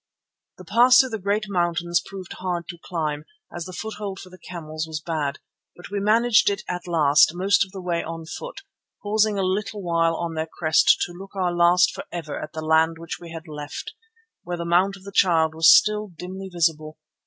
The pass through the great mountains proved hard to climb, as the foothold for the camels was bad. But we managed it at last, most of the way on foot, pausing a little while on their crest to look our last for ever at the land which we had left, where the Mount of the Child was still dimly visible.